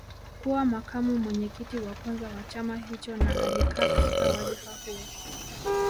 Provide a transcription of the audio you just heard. Kuwa makamu mwenyekiti wa kwanza wa chama hicho na alikaa katika wadhifa huo